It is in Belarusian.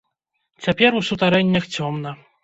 Цяпер у сутарэннях цёмна.